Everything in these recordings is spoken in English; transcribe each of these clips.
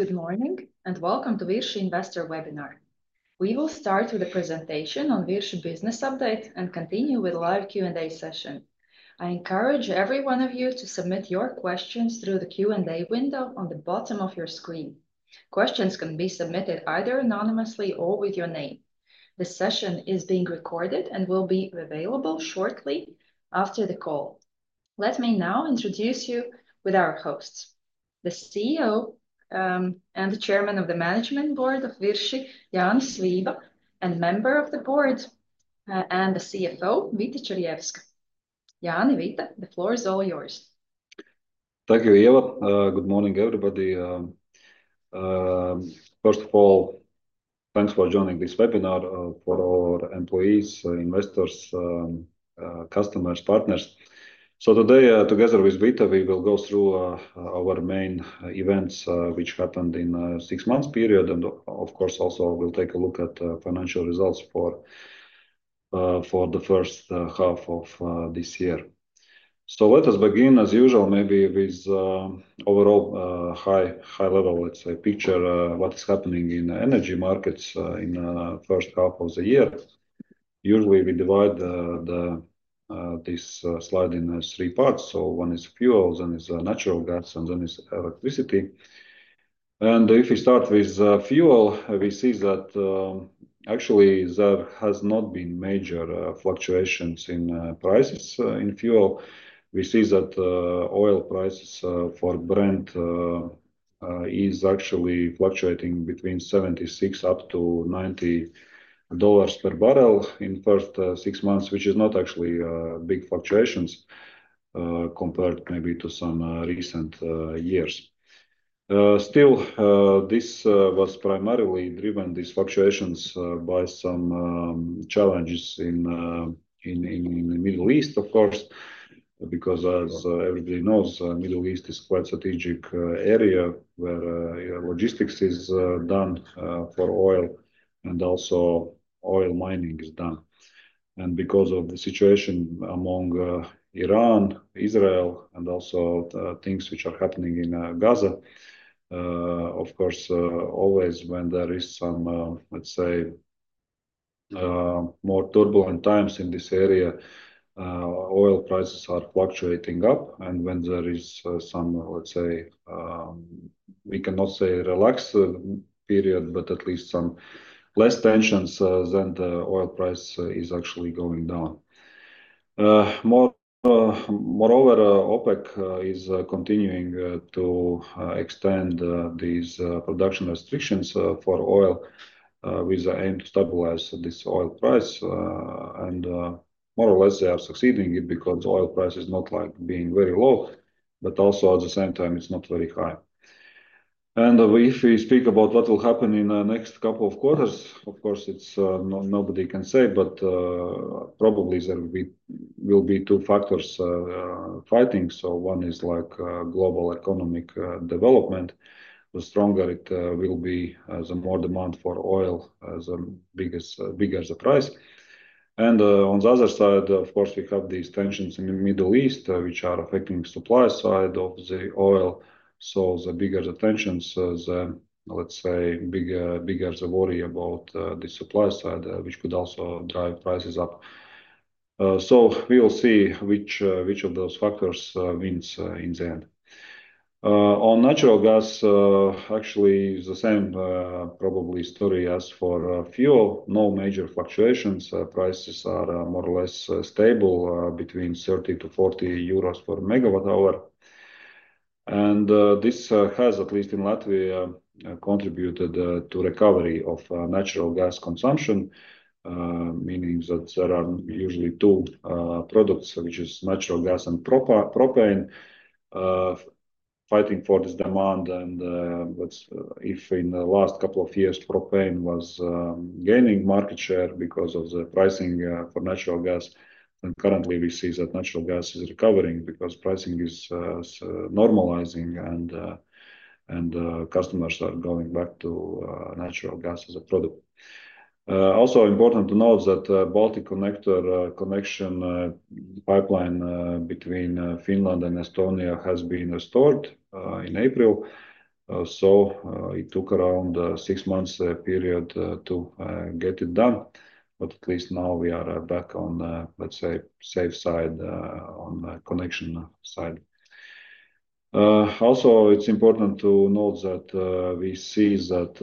Good morning, and welcome to Virši Investor Webinar. We will start with a presentation on Virši business update, and continue with live Q&A session. I encourage every one of you to submit your questions through the Q&A window on the bottom of your screen. Questions can be submitted either anonymously or with your name. This session is being recorded and will be available shortly after the call. Let me now introduce you with our hosts, the CEO and the Chairman of the Management Board of Virši, Jānis Vība, and Member of the Board and the CFO, Vita Čirjevska. Jānis Viba, the floor is all yours. Thank you, Ieva. Good morning, everybody. First of all, thanks for joining this webinar for our employees, investors, customers, partners. So today, together with Vita, we will go through our main events, which happened in a six months period, and of course, also we'll take a look at financial results for the first half of this year. So let us begin, as usual, maybe with overall high, high level, let's say, picture, what is happening in the energy markets in the first half of the year. Usually, we divide the this slide in three parts, so one is fuels, and is natural gas, and then is electricity. And if we start with fuel, we see that, actually, there has not been major fluctuations in prices. In fuel, we see that oil prices for Brent is actually fluctuating between $76 up to $90 per barrel in first 6 months, which is not actually big fluctuations compared maybe to some recent years. Still, this was primarily driven, these fluctuations, by some challenges in the Middle East, of course, because as everybody knows, Middle East is quite strategic area, where logistics is done for oil and also oil mining is done. Because of the situation among Iran, Israel, and also things which are happening in Gaza, of course, always when there is some, let's say, more turbulent times in this area, oil prices are fluctuating up, and when there is some, let's say, we cannot say relaxed period, but at least some less tensions, then the oil price is actually going down. Moreover, OPEC is continuing to extend these production restrictions for oil with the aim to stabilize this oil price, and more or less, they are succeeding it because oil price is not like being very low, but also at the same time, it's not very high. And if we speak about what will happen in the next couple of quarters, of course, no, nobody can say, but probably there will be two factors fighting. So one is like global economic development. The stronger it will be, the more demand for oil, bigger the price. And on the other side, of course, we have these tensions in the Middle East, which are affecting supply side of the oil. So the bigger the tensions, the, let's say, bigger the worry about the supply side, which could also drive prices up. So we will see which of those factors wins in the end. On natural gas, actually, the same probably story as for fuel. No major fluctuations. Prices are more or less stable between 30-40 euros per MWh. And this has, at least in Latvia, contributed to recovery of natural gas consumption, meaning that there are usually two products, which is natural gas and propane, fighting for this demand. But if in the last couple of years, propane was gaining market share because of the pricing for natural gas, and currently we see that natural gas is recovering because pricing is normalizing and customers are going back to natural gas as a product. Also important to note that Balticconnector connection pipeline between Finland and Estonia has been restored in April. So, it took around six months period to get it done, but at least now we are back on, let's say, safe side on the connection side. Also, it's important to note that we see that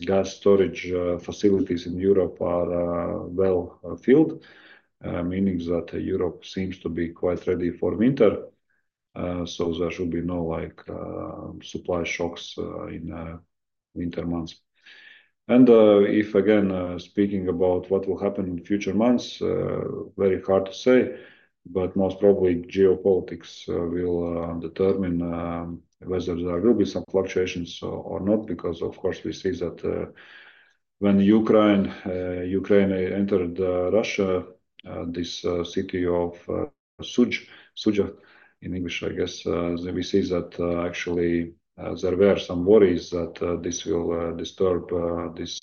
gas storage facilities in Europe are well filled, meaning that Europe seems to be quite ready for winter. So there should be no like supply shocks in winter months. And if again speaking about what will happen in future months, very hard to say, but most probably geopolitics will determine whether there will be some fluctuations or not. Because of course, we see that when Ukraine, Ukraine entered Russia-... This city of Sudzha, Sudzha, in English, I guess, we see that actually there were some worries that this will disturb this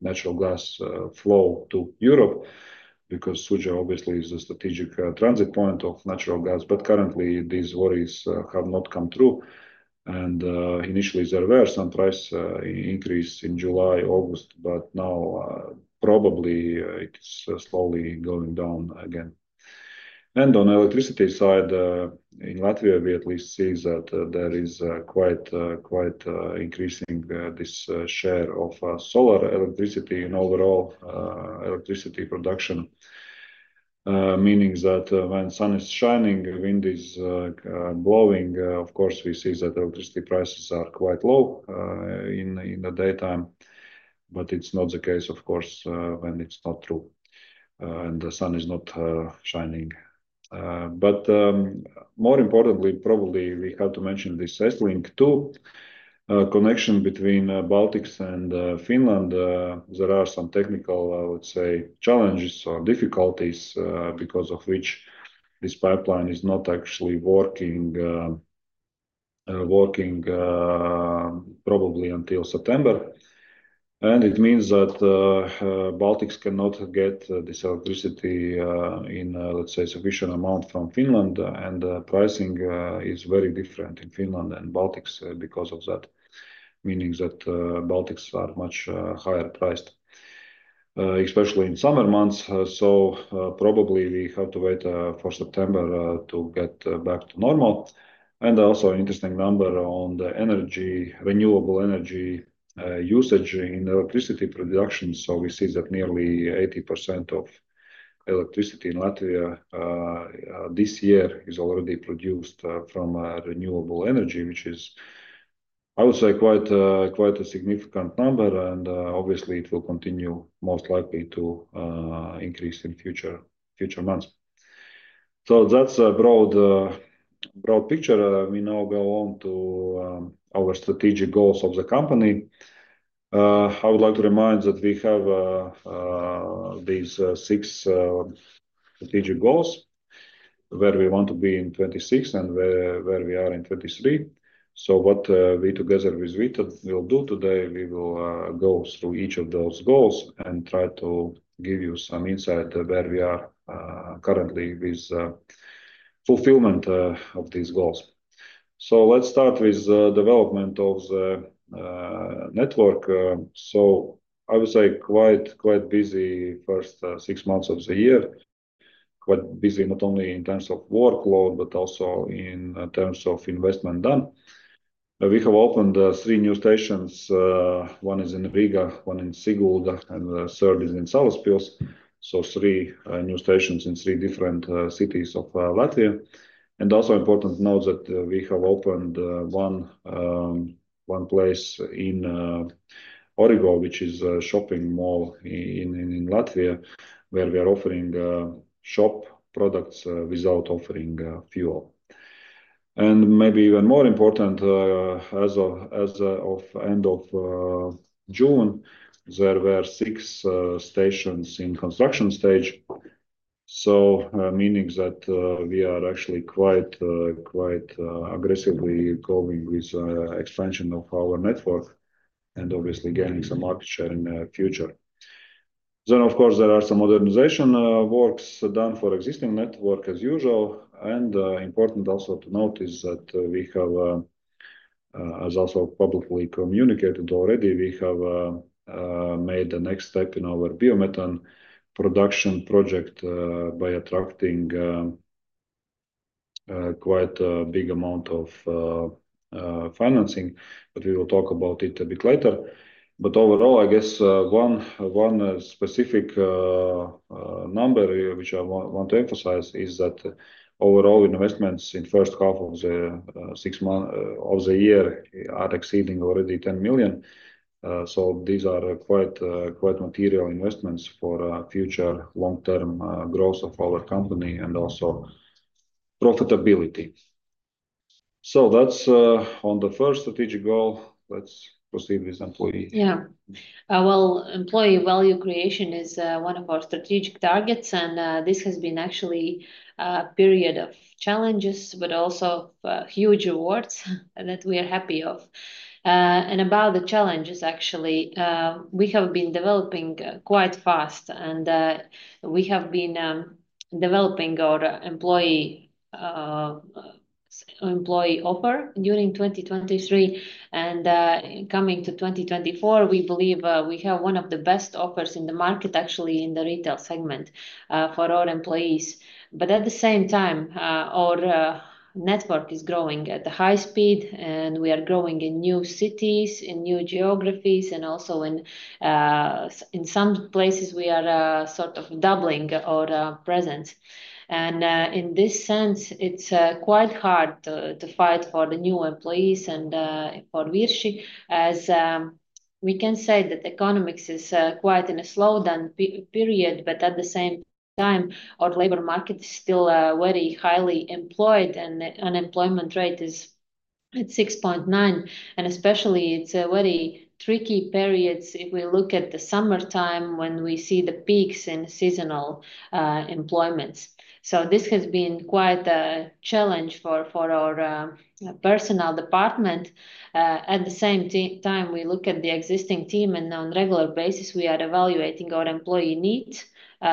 natural gas flow to Europe, because Sudzha obviously is a strategic transit point of natural gas. But currently, these worries have not come true. And initially, there were some price increase in July, August, but now, probably, it is slowly going down again. And on the electricity side, in Latvia, we at least see that there is quite, quite increasing this share of solar electricity and overall electricity production. Meaning that, when sun is shining, wind is blowing, of course, we see that electricity prices are quite low, in the daytime, but it's not the case, of course, when it's not true, and the sun is not shining. But, more importantly, probably, we have to mention this EstLink 2 connection between Baltics and Finland. There are some technical, I would say, challenges or difficulties, because of which this pipeline is not actually working, probably until September. And it means that, Baltics cannot get this electricity, in, let's say, sufficient amount from Finland, and the pricing is very different in Finland and Baltics, because of that. Meaning that, Baltics are much higher priced, especially in summer months. Probably we have to wait for September to get back to normal. Also interesting number on the energy, renewable energy, usage in electricity production. So we see that nearly 80% of electricity in Latvia this year is already produced from renewable energy, which is, I would say, quite a significant number, and obviously it will continue most likely to increase in future months. So that's a broad picture. We now go on to our strategic goals of the company. I would like to remind that we have these six strategic goals, where we want to be in 2026 and where we are in 2023. So what we together with Vita will do today, we will go through each of those goals and try to give you some insight to where we are currently with fulfillment of these goals. Let's start with the development of the network. I would say quite, quite busy first six months of the year. Quite busy, not only in terms of workload, but also in terms of investment done. We have opened three new stations. One is in Riga, one in Sigulda, and the third is in Salaspils. Three new stations in three different cities of Latvia. Also important to note that we have opened 1 place in Origo, which is a shopping mall in Latvia, where we are offering shop products without offering fuel. Maybe even more important, as of end of June, there were 6 stations in construction stage. Meaning that we are actually quite aggressively going with expansion of our network and obviously gaining some market share in the future. Then, of course, there are some modernization works done for existing network as usual, and important also to note is that we have, as also publicly communicated already, we have made the next step in our biomethane production project by attracting quite a big amount of financing, but we will talk about it a bit later. But overall, I guess, one specific number here, which I want to emphasize, is that overall investments in first half of the six months of the year are exceeding already 10 million. So these are quite material investments for future long-term growth of our company and also profitability. So that's on the first strategic goal. Let's proceed with employee. Yeah. Well, employee value creation is one of our strategic targets, and this has been actually a period of challenges, but also huge awards that we are happy of. And about the challenges, actually, we have been developing quite fast, and we have been developing our employee offer during 2023. And coming to 2024, we believe we have one of the best offers in the market, actually, in the retail segment for our employees. But at the same time, our network is growing at a high speed, and we are growing in new cities, in new geographies, and also in some places, we are sort of doubling our presence. In this sense, it's quite hard to fight for the new employees and for Virši, as we can say that economics is quite in a slowdown period, but at the same time, our labor market is still very highly employed, and unemployment rate is at 6.9, and especially it's a very tricky periods if we look at the summertime when we see the peaks in seasonal employments. So this has been quite a challenge for our personnel department. At the same time, we look at the existing team, and on regular basis, we are evaluating our employee needs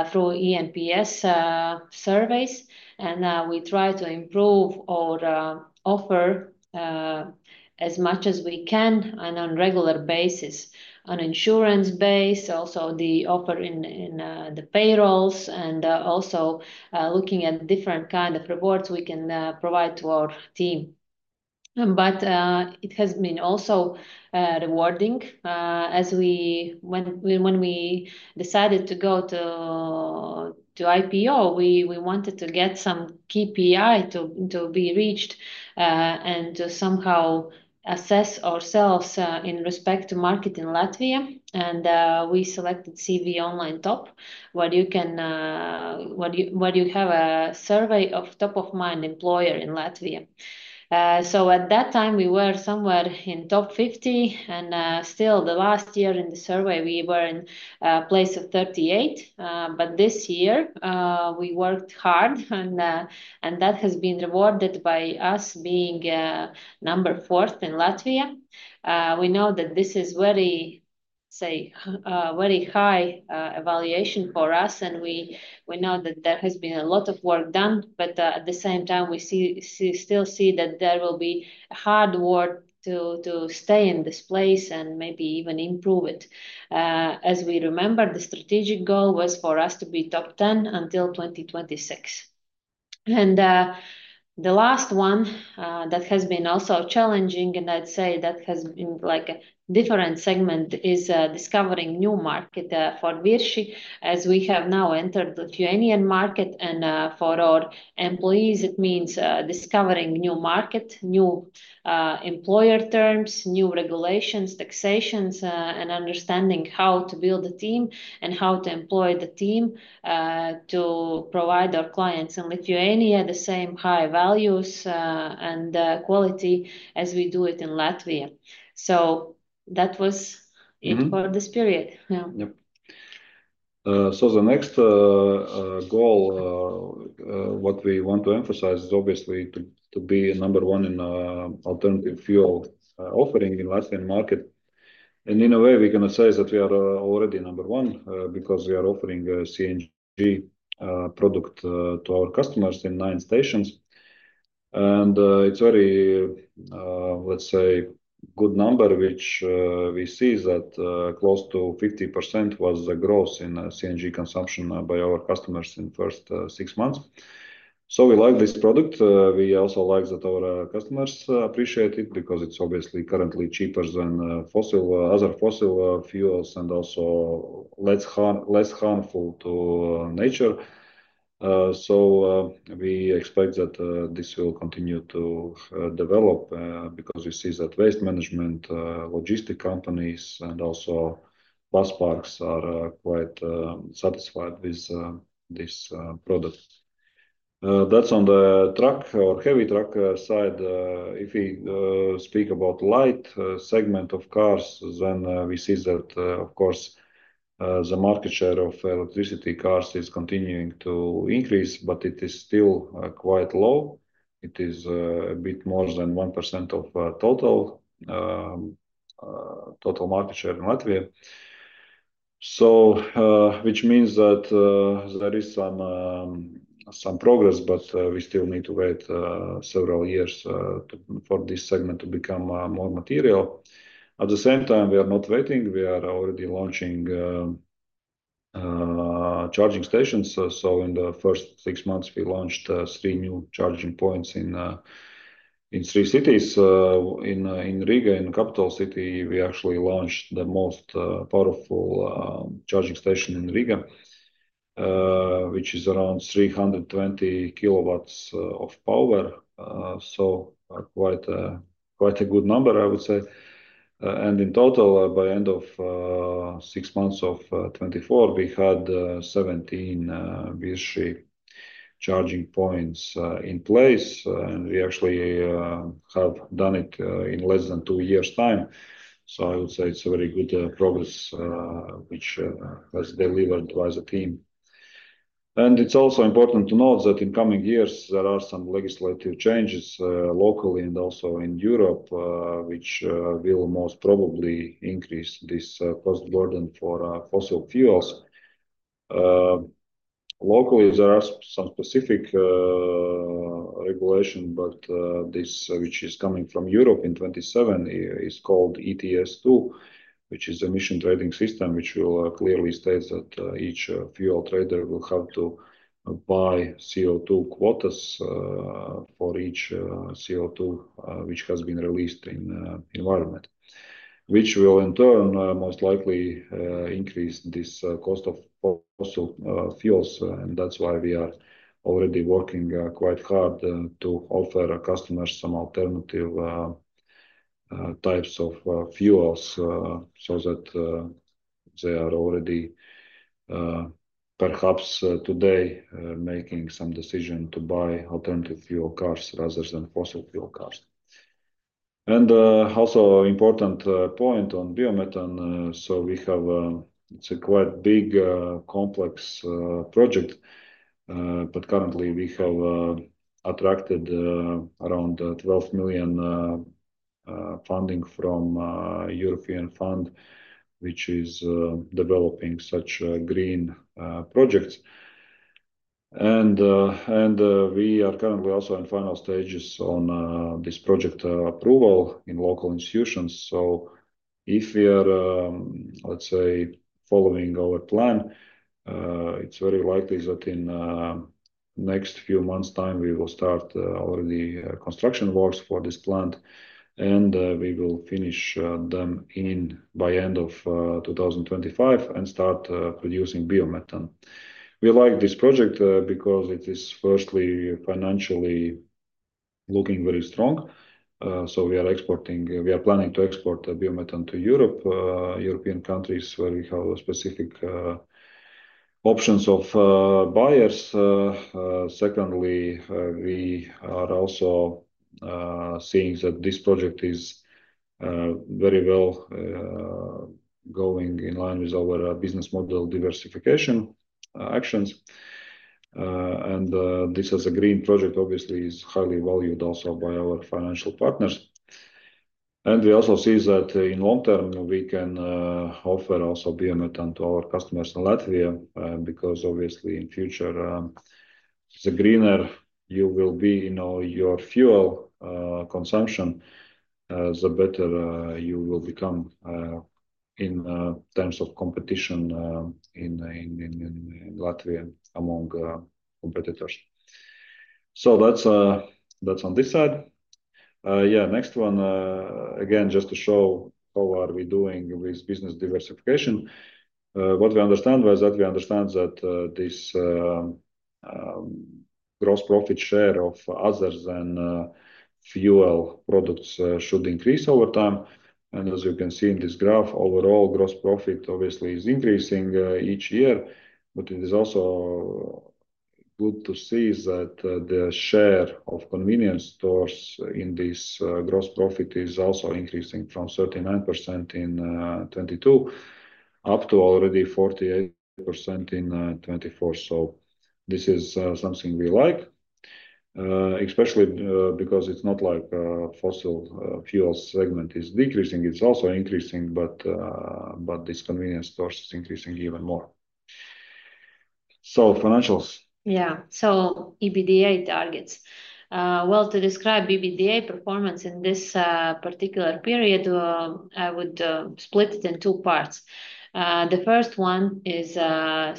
through ENPS surveys. We try to improve our offer as much as we can and on regular basis. On insurance basis, also the offering in the payrolls and also looking at different kind of rewards we can provide to our team. But it has been also rewarding. When we decided to go to IPO, we wanted to get some KPI to be reached and to somehow assess ourselves in respect to market in Latvia. And we selected CV-Online Top, where you have a survey of top-of-mind employer in Latvia. So at that time, we were somewhere in top 50, and still the last year in the survey, we were in place of 38. But this year, we worked hard, and that has been rewarded by us being number fourth in Latvia. We know that this is very, say, very high evaluation for us, and we know that there has been a lot of work done, but at the same time, we still see that there will be hard work to stay in this place and maybe even improve it. As we remember, the strategic goal was for us to be top 10 until 2026. The last one that has been also challenging, and I'd say that has been like a different segment, is discovering new market for Virši, as we have now entered the Lithuanian market. For our employees, it means discovering new market, new employer terms, new regulations, taxations, and understanding how to build a team and how to employ the team to provide our clients in Lithuania the same high values and quality as we do it in Latvia. So that was- it for this period. Yeah. Yep. So the next goal what we want to emphasize is obviously to be number one in alternative fuel offering in Latvian market. And in a way, we're gonna say that we are already number one because we are offering a CNG product to our customers in nine stations. And it's very, let's say, good number, which we see is that close to 50% was the growth in CNG consumption by our customers in first six months. So we like this product. We also like that our customers appreciate it because it's obviously currently cheaper than fossil other fossil fuels and also less harmful to nature. We expect that this will continue to develop, because we see that waste management, logistic companies, and also bus parks are quite satisfied with this product. That's on the truck or heavy truck side. If we speak about light segment of cars, then we see that, of course, the market share of electric cars is continuing to increase, but it is still quite low. It is a bit more than 1% of total market share in Latvia. Which means that there is some progress, but we still need to wait several years for this segment to become more material. At the same time, we are not waiting. We are already launching charging stations. So in the first six months, we launched three new charging points in three cities. In Riga, in the capital city, we actually launched the most powerful charging station in Riga, which is around 320 kW of power. So are quite a good number, I would say. And in total, by end of six months of 2024, we had 17 Virši charging points in place, and we actually have done it in less than two years' time. So I would say it's a very good progress which was delivered by the team. And it's also important to note that in coming years, there are some legislative changes, locally and also in Europe, which will most probably increase this cost burden for fossil fuels. Locally, there are some specific regulation, but this which is coming from Europe in 2027 is called ETS2, which is Emissions Trading System, which will clearly state that each fuel trader will have to buy CO2 quotas for each CO2 which has been released in environment. Which will, in turn, most likely, increase this cost of fossil fuels. And that's why we are already working quite hard to offer our customers some alternative fu-... types of fuels, so that they are already, perhaps, today, making some decision to buy alternative fuel cars rather than fossil fuel cars. And, also important point on biomethane, so we have... It's a quite big, complex project, but currently we have attracted around 12 million funding from European Fund, which is developing such green projects. And, we are currently also in final stages on this project approval in local institutions. So if we are, let's say, following our plan, it's very likely that in next few months' time, we will start already construction works for this plant, and we will finish them in by end of 2025 and start producing biomethane. We like this project because it is firstly financially looking very strong. So we are planning to export biomethane to Europe, European countries, where we have specific options of buyers. Secondly, we are also seeing that this project is very well going in line with our business model diversification actions. And this as a green project, obviously, is highly valued also by our financial partners. And we also see that in long term, we can offer also biomethane to our customers in Latvia because obviously in future, the greener you will be in all your fuel consumption, the better you will become in terms of competition in Latvia among competitors. So that's on this side. Yeah, next one, again, just to show how we are doing with business diversification. What we understand was that we understand that this gross profit share of other than fuel products should increase over time. And as you can see in this graph, overall gross profit obviously is increasing each year. But it is also good to see is that the share of convenience stores in this gross profit is also increasing from 39% in 2022, up to already 48% in 2024. So this is something we like especially because it's not like fossil fuel segment is decreasing, it's also increasing, but this convenience store is increasing even more. So financials. Yeah. So EBITDA targets. Well, to describe EBITDA performance in this particular period, I would split it in two parts. The first one is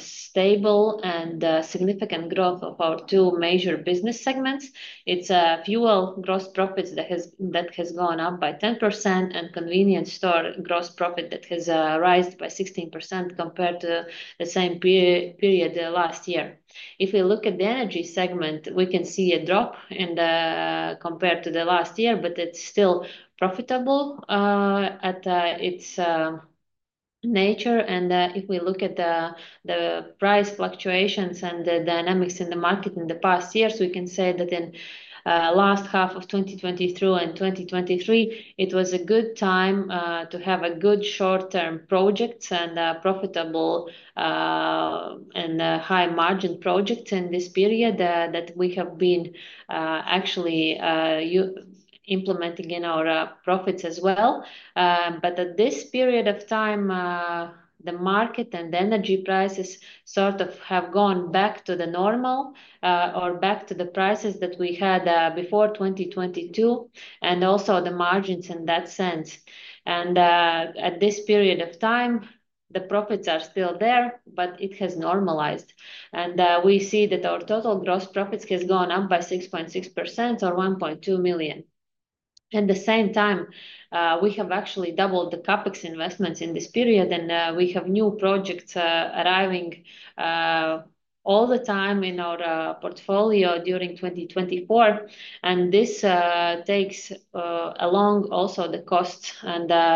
stable and significant growth of our two major business segments. It's fuel gross profits that has gone up by 10%, and convenience store gross profit that has risen by 16% compared to the same period last year. If we look at the energy segment, we can see a drop in the... compared to the last year, but it's still profitable at its nature. If we look at the price fluctuations and the dynamics in the market in the past years, we can say that in the last half of 2022 and 2023, it was a good time to have a good short-term project and profitable and high-margin project in this period that we have been actually implementing in our profits as well. But at this period of time, the market and the energy prices sort of have gone back to the normal or back to the prices that we had before 2022, and also the margins in that sense. At this period of time, the profits are still there, but it has normalized. We see that our total gross profits has gone up by 6.6% or 1.2 million. At the same time, we have actually doubled the CapEx investments in this period, and we have new projects arriving all the time in our portfolio during 2024, and this takes along also the costs.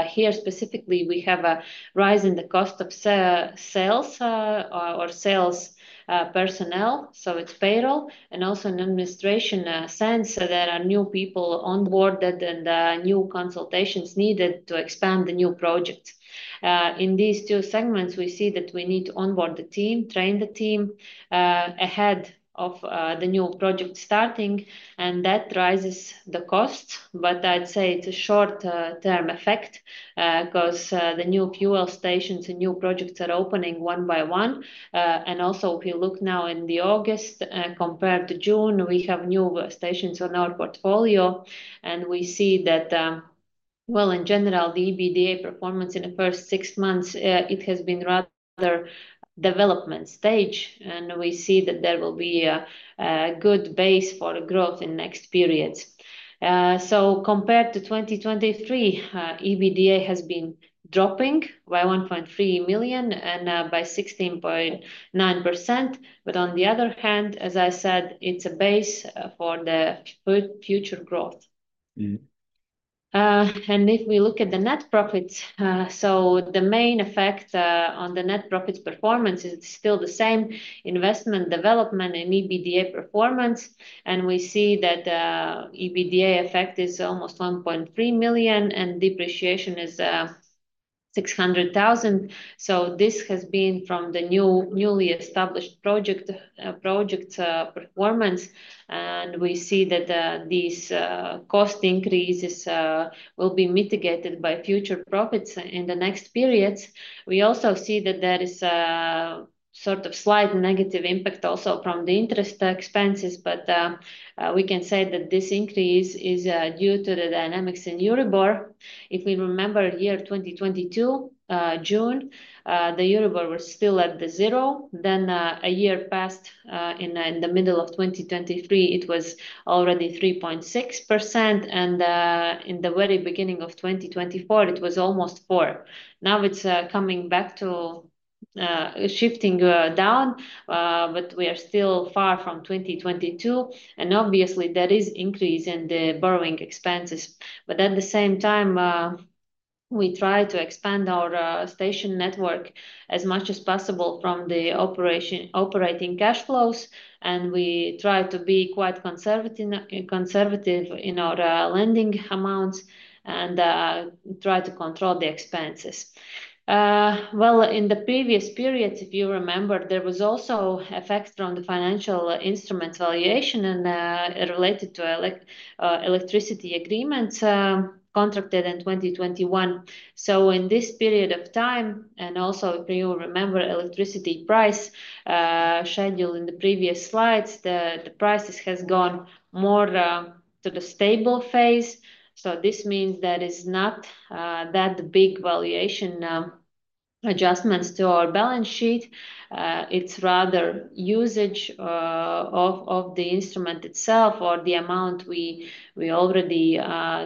Here specifically, we have a rise in the cost of sales personnel, so it's payroll, and also an administration expenses, so there are new people onboarded and new consultations needed to expand the new projects. In these two segments, we see that we need to onboard the team, train the team ahead of the new project starting, and that rises the costs. I'd say it's a short term effect, 'cause the new fuel stations and new projects are opening one by one. And also, if you look now in August, compared to June, we have new stations on our portfolio, and we see that... Well, in general, the EBITDA performance in the first six months, it has been rather development stage, and we see that there will be a good base for growth in next periods. So compared to 2023, EBITDA has been dropping by 1.3 million and by 16.9%. But on the other hand, as I said, it's a base for the future growth. ... And if we look at the net profits, so the main effect on the net profits performance is still the same: investment, development, and EBITDA performance. And we see that, EBITDA effect is almost 1.3 million, and depreciation is 600,000. So this has been from the newly established project performance, and we see that, these cost increases will be mitigated by future profits in the next periods. We also see that there is a sort of slight negative impact also from the interest expenses, but, we can say that this increase is due to the dynamics in EURIBOR. If we remember year 2022, June, the EURIBOR was still at the zero. Then, a year passed, in the middle of 2023, it was already 3.6%, and in the very beginning of 2024, it was almost 4%. Now it's coming back to shifting down, but we are still far from 2022, and obviously there is increase in the borrowing expenses. But at the same time, we try to expand our station network as much as possible from the operating cash flows, and we try to be quite conservative in our lending amounts and try to control the expenses. Well, in the previous periods, if you remember, there was also effects from the financial instrument valuation and related to electricity agreements contracted in 2021. So in this period of time, and also if you remember electricity price schedule in the previous slides, the prices has gone more to the stable phase. So this means there is not that big valuation adjustments to our balance sheet. It's rather usage of the instrument itself or the amount we already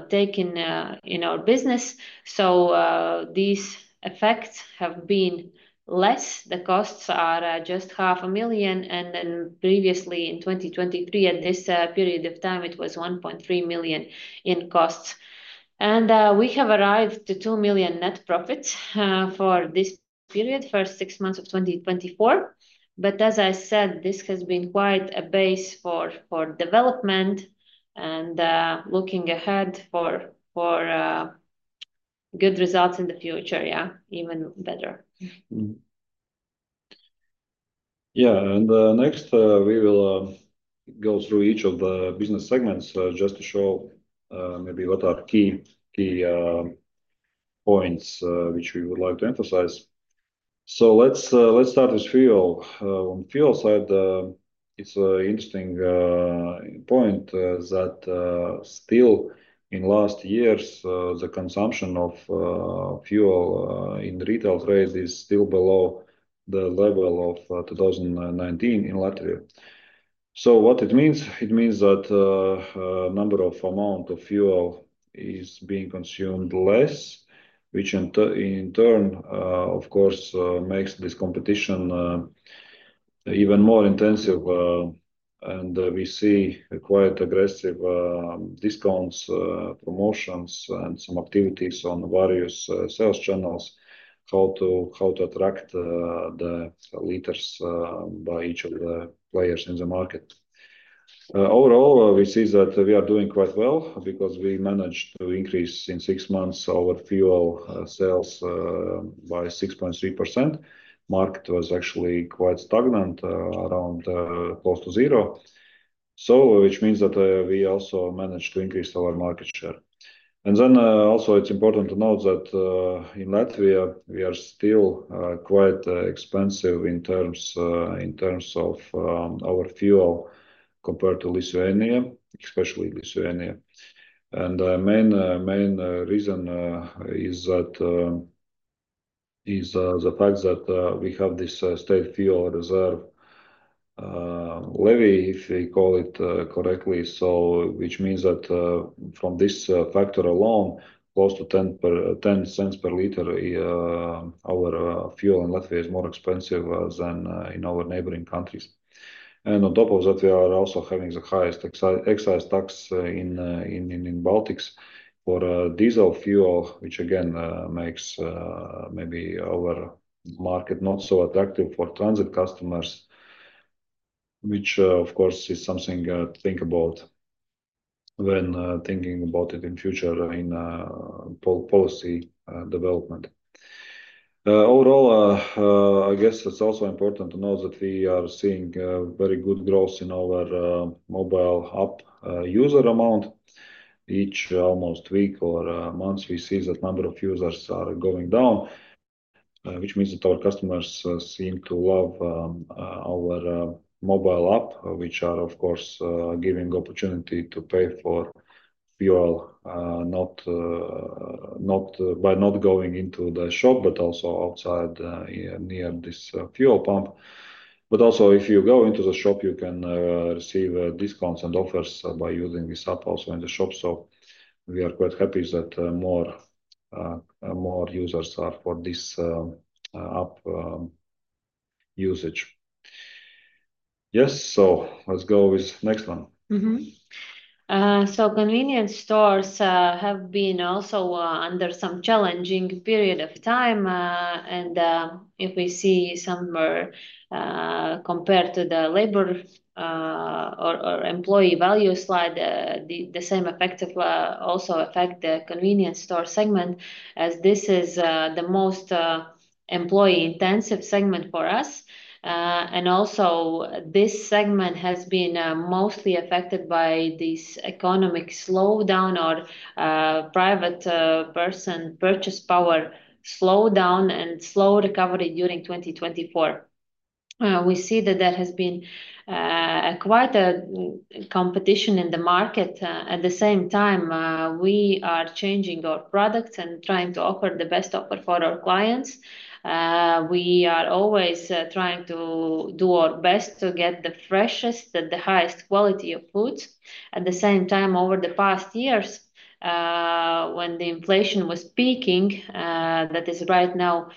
take in in our business. So these effects have been less. The costs are just 0.5 million, and then previously in 2023, at this period of time, it was 1.3 million in costs. And we have arrived to 2 million net profits for this period, first six months of 2024. But as I said, this has been quite a base for development and looking ahead for good results in the future, yeah, even better. Yeah, and next, we will go through each of the business segments just to show maybe what are key points which we would like to emphasize. So let's start with fuel. On fuel side, it's an interesting point that still in last years the consumption of fuel in retail trade is still below the level of 2019 in Latvia. So what it means? It means that number of amount of fuel is being consumed less, which in turn of course makes this competition even more intensive. And we see quite aggressive discounts, promotions, and some activities on various sales channels, how to attract the liters by each of the players in the market. Overall, we see that we are doing quite well because we managed to increase in 6 months our fuel sales by 6.3%. Market was actually quite stagnant around close to zero. So which means that we also managed to increase our market share. And then also it's important to note that in Latvia, we are still quite expensive in terms of our fuel compared to Lithuania, especially Lithuania. The main, main reason is that the fact that we have this state fuel reserve levy, if we call it correctly. So which means that from this factor alone, close to 0.10 per liter, our fuel in Latvia is more expensive than in our neighboring countries. And on top of that, we are also having the highest excise tax in the Baltics for diesel fuel, which again makes maybe our market not so attractive for transit customers. Which, of course, is something to think about when thinking about it in future policy development. Overall, I guess it's also important to note that we are seeing very good growth in our mobile app user amount. Each almost week or month, we see that number of users are going down, which means that our customers seem to love our mobile app, which are, of course, giving opportunity to pay for fuel, not by not going into the shop, but also outside, near this fuel pump. But also, if you go into the shop, you can receive discounts and offers by using this app also in the shop. So we are quite happy that more users are for this app usage.... Yes, so let's go with next one. So convenience stores have been also under some challenging period of time. If we see some more compared to the labor or employee value slide, the same effect of also affect the convenience store segment, as this is the most employee-intensive segment for us. Also, this segment has been mostly affected by this economic slowdown or private person purchase power slowdown and slow recovery during 2024. We see that there has been quite a competition in the market. At the same time, we are changing our products and trying to offer the best offer for our clients. We are always trying to do our best to get the freshest and the highest quality of foods. At the same time, over the past years, when the inflation was peaking, that is right now,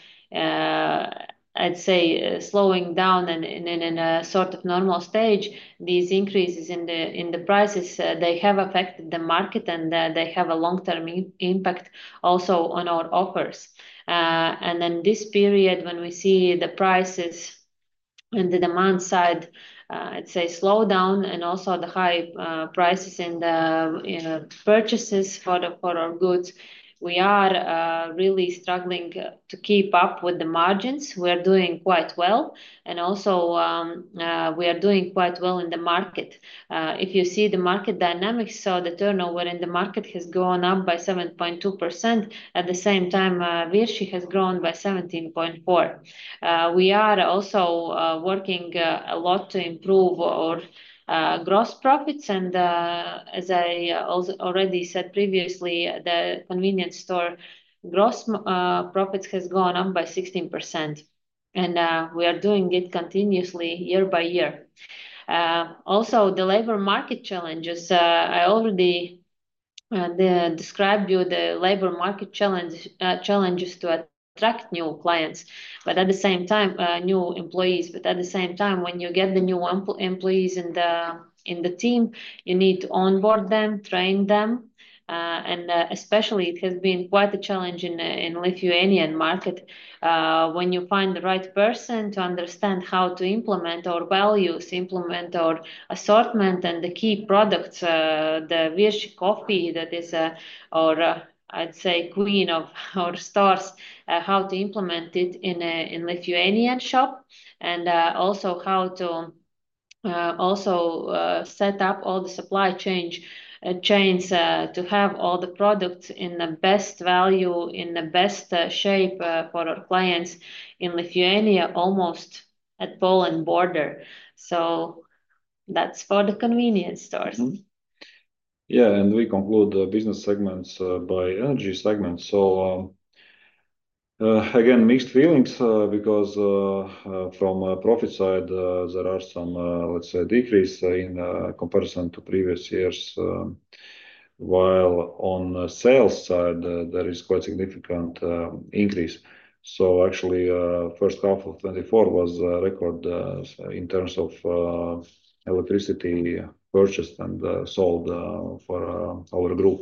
I'd say, slowing down and in a sort of normal stage, these increases in the prices, they have affected the market, and they have a long-term impact also on our offers. And then this period, when we see the prices and the demand side, I'd say slow down, and also the high prices in the purchases for our goods, we are really struggling to keep up with the margins. We are doing quite well, and also, we are doing quite well in the market. If you see the market dynamics, so the turnover in the market has gone up by 7.2%. At the same time, Virši has grown by 17.4. We are also working a lot to improve our gross profits. And, as I already said previously, the convenience store gross profits has gone up by 16%, and we are doing it continuously year by year. Also, the labor market challenges, I already described you the labor market challenges to attract new clients. But at the same time, new employees. But at the same time, when you get the new employees in the, in the team, you need to onboard them, train them. And, especially, it has been quite a challenge in the Lithuanian market, when you find the right person to understand how to implement our values, implement our assortment and the key products, the Virši coffee, that is, our, I'd say, queen of our stores, how to implement it in a Lithuanian shop, and, also how to, also, set up all the supply chain, chains, to have all the products in the best value, in the best, shape, for our clients in Lithuania, almost at Poland border. So that's for the convenience stores. Yeah, and we conclude the business segments by energy segment. So, again, mixed feelings, because from a profit side, there are some, let's say, decrease in comparison to previous years, while on the sales side, there is quite significant increase. So actually, first half of 2024 was record in terms of electricity purchased and sold for our group.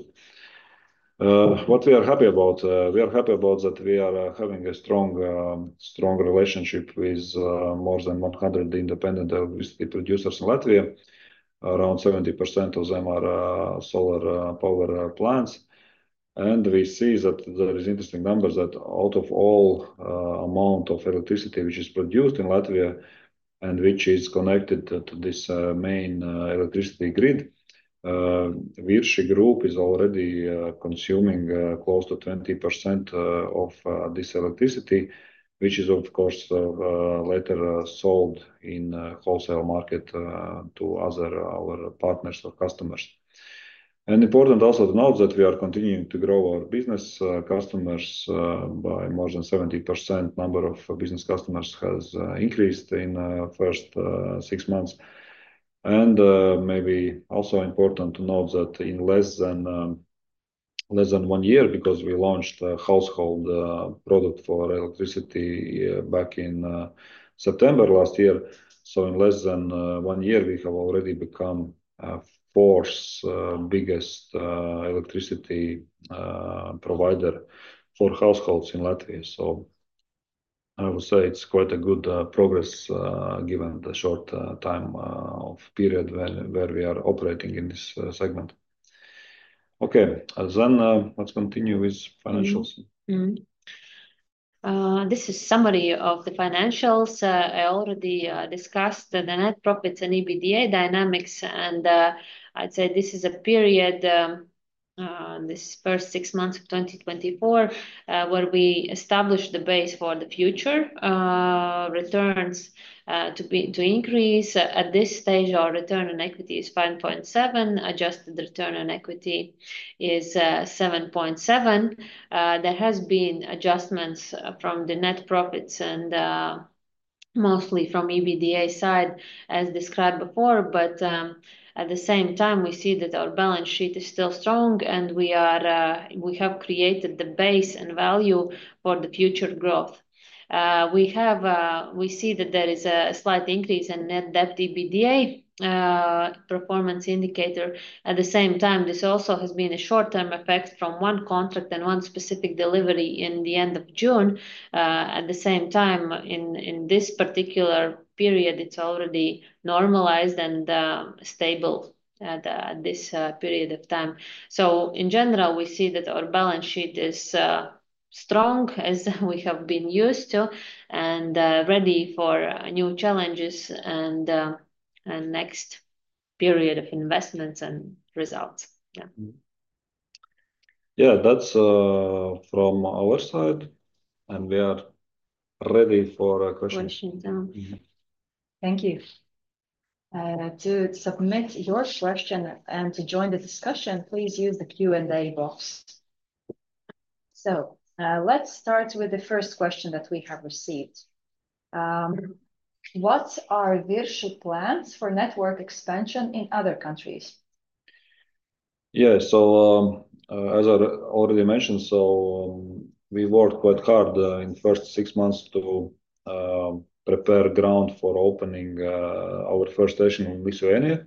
What we are happy about? We are happy about that we are having a strong relationship with more than 100 independent electricity producers in Latvia. Around 70% of them are solar power plants. We see that there is interesting numbers that out of all amount of electricity which is produced in Latvia and which is connected to this main electricity grid, Virši Group is already consuming close to 20% of this electricity, which is, of course, later sold in a wholesale market to other our partners or customers. Important also to note that we are continuing to grow our business customers by more than 70%. Number of business customers has increased in first six months. Maybe also important to note that in less than one year, because we launched a household product for electricity back in September last year. So in less than one year, we have already become fourth biggest electricity provider for households in Latvia. So I would say it's quite a good progress given the short time of period where we are operating in this segment. Okay, then, let's continue with financials. This is summary of the financials. I already discussed the net profits and EBITDA dynamics, and I'd say this is a period, this first six months of 2024, where we established the base for the future returns to increase. At this stage, our return on equity is 5.7, adjusted return on equity is 7.7. There has been adjustments from the net profits and mostly from EBITDA side, as described before. But at the same time, we see that our balance sheet is still strong, and we have created the base and value for the future growth. We see that there is a slight increase in net debt EBITDA performance indicator. At the same time, this also has been a short-term effect from one contract and one specific delivery in the end of June. At the same time, in this particular period, it's already normalized and stable at this period of time. So in general, we see that our balance sheet is strong, as we have been used to, and ready for new challenges and next period of investments and results. Yeah. Yeah, that's from our side, and we are ready for questions. Questions, yeah. Thank you. To submit your question and to join the discussion, please use the Q&A box. So, let's start with the first question that we have received. What are Virši plans for network expansion in other countries? Yeah, so, as I already mentioned, we worked quite hard in the first six months to prepare ground for opening our first station in Lithuania.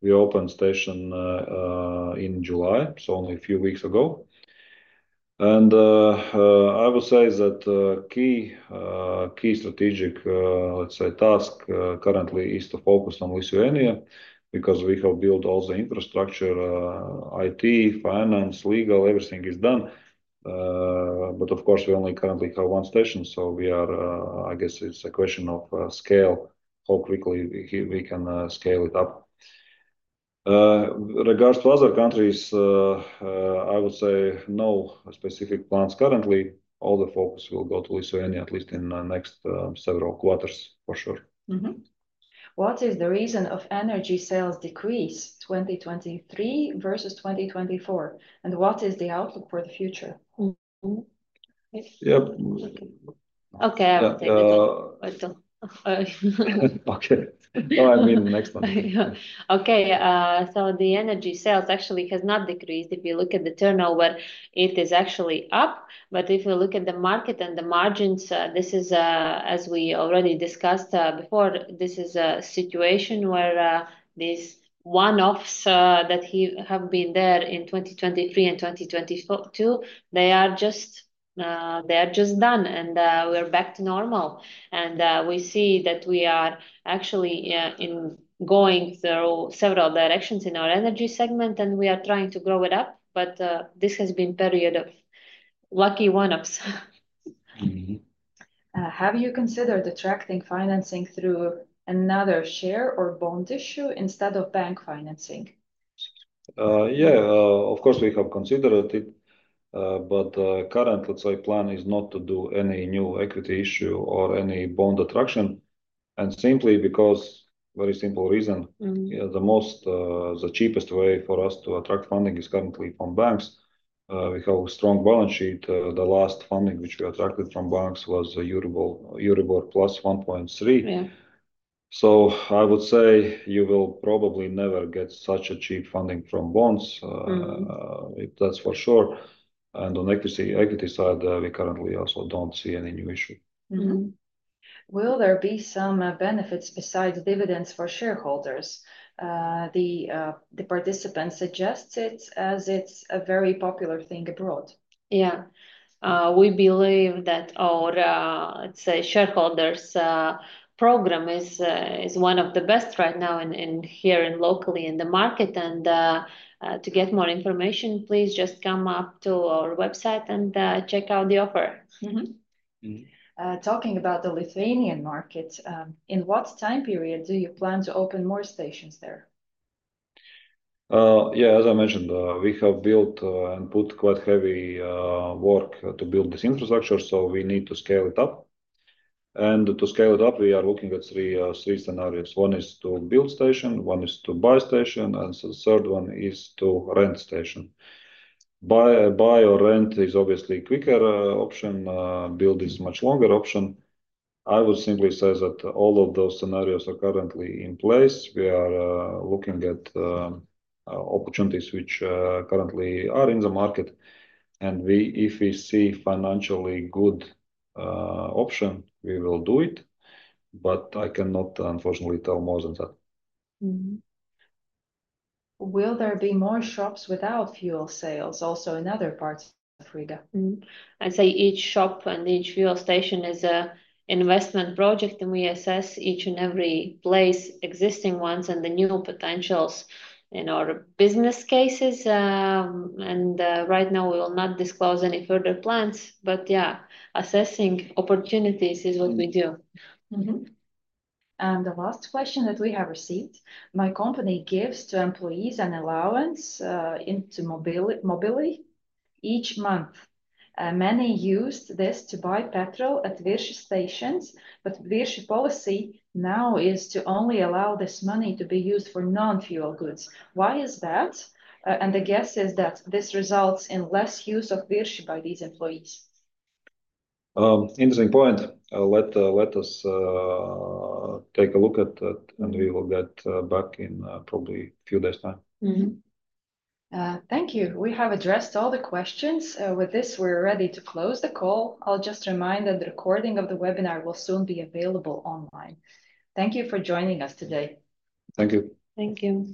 We opened station in July, so only a few weeks ago. I would say that key strategic, let's say, task currently is to focus on Lithuania, because we have built all the infrastructure, IT, finance, legal, everything is done. But of course, we only currently have one station, so we are... I guess it's a question of scale, how quickly we can scale it up. Regards to other countries, I would say no specific plans currently. All the focus will go to Lithuania, at least in the next several quarters, for sure. What is the reason of energy sales decrease 2023 versus 2024, and what is the outlook for the future? Yep. Okay. Okay, I will take it. Okay. Oh, I mean, next one. Okay, so the energy sales actually has not decreased. If you look at the turnover, it is actually up. But if you look at the market and the margins, this is, as we already discussed, before, this is a situation where, these one-offs, that have been there in 2023 and 2024 too, they are just... they are just done, and, we're back to normal. And, we see that we are actually, in going through several directions in our energy segment, and we are trying to grow it up, but, this has been period of lucky one-offs. Have you considered attracting financing through another share or bond issue instead of bank financing? Yeah, of course, we have considered it, but current, let's say, plan is not to do any new equity issue or any bond attraction, and simply because very simple reason. The cheapest way for us to attract funding is currently from banks. We have a strong balance sheet. The last funding which we attracted from banks was EURIBOR plus 1.3. Yeah. I would say you will probably never get such a cheap funding from bonds. That's for sure. And on equity, equity side, we currently also don't see any new issue. Will there be some benefits besides dividends for shareholders? The participant suggests it, as it's a very popular thing abroad. Yeah. We believe that our, let's say, shareholders program is one of the best right now in here and locally in the market. And, to get more information, please just come up to our website and check out the offer. Talking about the Lithuanian market, in what time period do you plan to open more stations there? Yeah, as I mentioned, we have built and put quite heavy work to build this infrastructure, so we need to scale it up. And to scale it up, we are looking at three scenarios. One is to build station, one is to buy station, and the third one is to rent station. Buy, buy or rent is obviously quicker option, build is much longer option. I would simply say that all of those scenarios are currently in place. We are looking at opportunities which currently are in the market, and we... if we see financially good option, we will do it, but I cannot unfortunately tell more than that. Will there be more shops without fuel sales also in other parts of Riga? I'd say each shop and each fuel station is a investment project, and we assess each and every place, existing ones and the new potentials in our business cases. Right now, we will not disclose any further plans, but yeah, assessing opportunities is what we do. And the last question that we have received: My company gives to employees an allowance into Mobilly each month. Many used this to buy petrol at Virši stations, but Virši policy now is to only allow this money to be used for non-fuel goods. Why is that? And the guess is that this results in less use of Virši by these employees. Interesting point. Let us take a look at that, and we will get back in probably few days' time. Thank you. We have addressed all the questions. With this, we're ready to close the call. I'll just remind that the recording of the webinar will soon be available online. Thank you for joining us today. Thank you. Thank you.